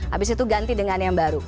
habis itu ganti dengan yang baru